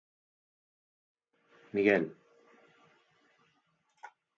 _¡Miguel!